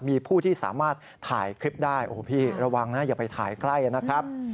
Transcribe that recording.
มีผู้ที่สามารถถ่ายคลิปได้โอ้โหพี่ระวังนะอย่าไปถ่ายใกล้นะครับ